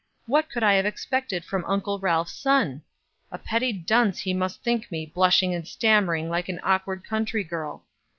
What could I have expected from Uncle Ralph's son? A pretty dunce he must think me, blushing and stammering like an awkward country girl.